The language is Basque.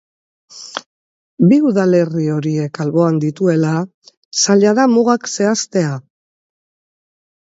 Bi udalerri horiek alboan dituela, zaila da mugak zehaztea.